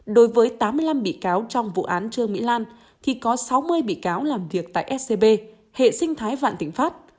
đối với tám mươi năm bị cáo trong vụ án trương mỹ lan thì có sáu mươi bị cáo làm việc tại scb hệ sinh thái vạn thịnh pháp